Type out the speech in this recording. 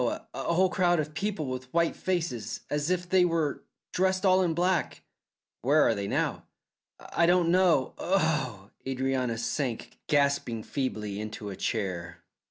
a whole crowd of people with white faces, as if they were dressed all in black." "Where are they now?" "I don't know. Oh!" Adrianna sank gasping feebly into a chair.